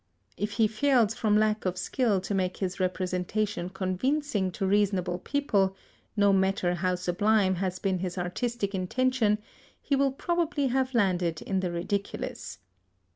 If he fails from lack of skill to make his representation convincing to reasonable people, no matter how sublime has been his artistic intention, he will probably have landed in the ridiculous.